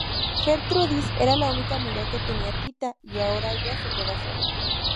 Gertrudis era la única amiga que tenía Tita y ahora ella se quedó sola.